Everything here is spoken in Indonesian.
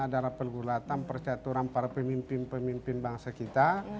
adalah pergulatan percaturan para pemimpin pemimpin bangsa kita